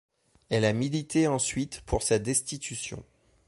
Elle a milité ensuite pour sa destitution.